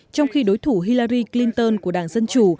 trong khi đối thủ hillari clinton của đảng dân chủ